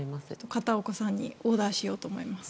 片岡さんにオーダーしようと思います。